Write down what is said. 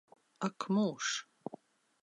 Ak mūžs!